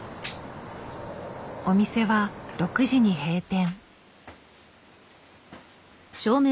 お店は６時に閉店。